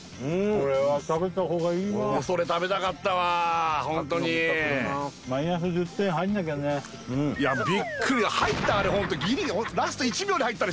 これは食べた方がいいわそれ食べたかったわホントにいやびっくり入った？